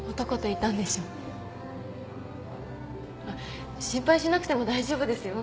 あっ心配しなくても大丈夫ですよ。